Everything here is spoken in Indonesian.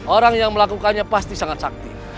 orang yang melakukannya pasti sangat sakti